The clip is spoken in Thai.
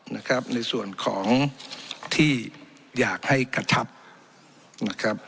นะครับในส่วนของที่อยากให้กระชับนะครับ